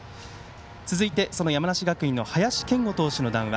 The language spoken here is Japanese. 続いて、その山梨学院の林謙吾投手の談話